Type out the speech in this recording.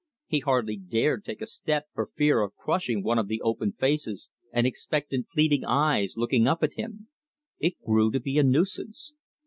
He hardly dared take a step for fear of crushing one of the open faces and expectant, pleading eyes looking up at him. It grew to be a nuisance.